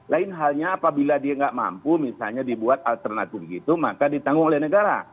lain halnya apabila dia nggak mampu misalnya dibuat alternatif gitu maka ditanggung oleh negara